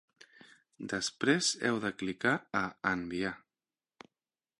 Després heu de clicar a "Enviar".